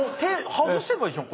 外せばいいじゃん。